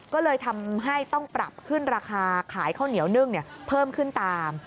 ก็เลยทำให้ต้องปรับขึ้นราคาขายข้าวเหนียวนึ่งเพิ่มขึ้นตาม